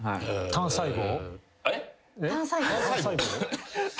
単細胞？